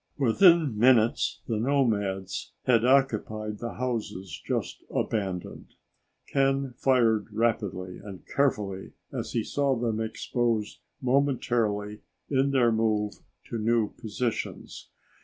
Within minutes, the nomads had occupied the houses just abandoned. Ken fired rapidly and carefully as he saw them exposed momentarily in their move to new positions.